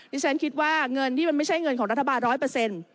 ดิฉันคิดว่าเงินที่มันไม่ใช่เงินของรัฐบาล๑๐๐